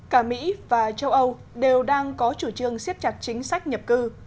cả mỹ và châu âu đều đang có chủ trương siết chặt chính sách nhập cư